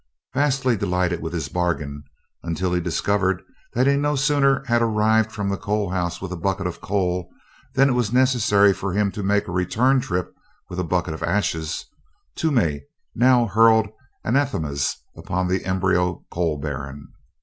Vastly delighted with his bargain, until he discovered that he no sooner had arrived from the coalhouse with a bucket of coal than it was necessary for him to make a return trip with a bucket of ashes, Toomey now hurled anathemas upon the embryo coal baron.